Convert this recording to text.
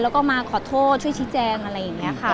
แล้วก็มาขอโทษช่วยชี้แจงอะไรอย่างนี้ค่ะ